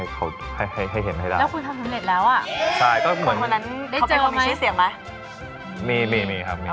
ความนั้นน่ะเป็นไง